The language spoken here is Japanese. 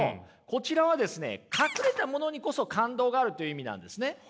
こちらはですね隠れたものにこそ感動があるという意味なんですね。